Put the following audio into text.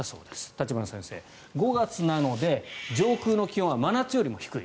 立花先生、５月なので上空の気温は真夏よりも低い。